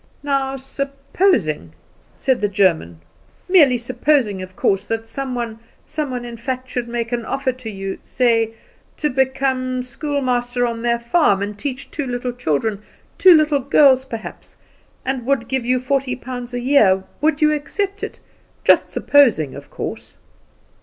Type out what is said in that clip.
"Now supposing," said the German "merely supposing, of course that some one, some one, in fact, should make an offer to you, say, to become schoolmaster on their farm and teach two children, two little girls, perhaps, and would give you forty pounds a year, would you accept it? Just supposing, of course."